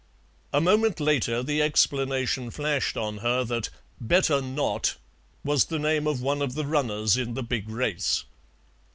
A moment later the explanation flashed on her that "Better Not" was the name of one of the runners in the big race.